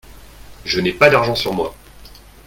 Je n'ai pas d'argent sur moi.